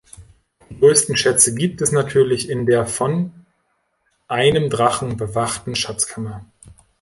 Die größten Schätze gibt es natürlich in der von einem Drachen bewachten Schatzkammer.